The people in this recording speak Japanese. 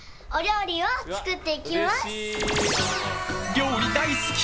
料理大好き。